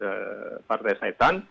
itu adalah partai setan